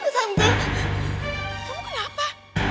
tante tante kamu kenapa